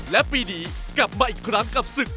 และปีนี้กลับมาอีกครั้งกับศึก